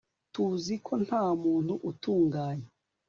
tuzi ko ntamuntu utunganye